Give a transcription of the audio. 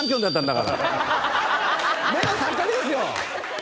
目の錯覚ですよ！